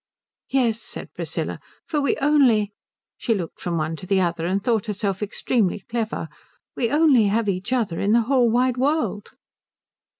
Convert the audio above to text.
"Yes," said Priscilla, "for we only" she looked from one to the other and thought herself extremely clever "we only have each other in the whole wide world."